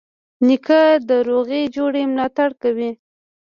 نیکه د روغي جوړې ملاتړ کوي.